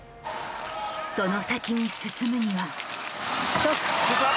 その先に進むには。